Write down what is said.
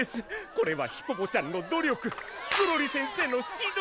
これはヒポポちゃんの努力ゾロリせんせの指導